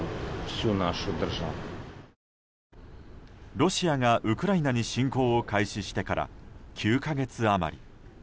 ロシアがウクライナに侵攻を開始してから９か月余り。